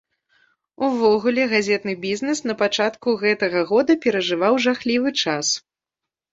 Увогуле, газетны бізнес на пачатку гэтага года перажываў жахлівы час.